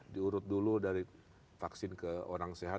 diurut dulu dari vaksin ke orang sehat